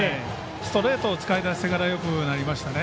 ストレートを使い出してからよくなりました。